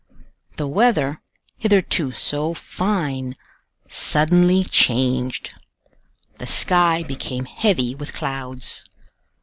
The weather, hitherto so fine, suddenly changed; the sky became heavy with clouds.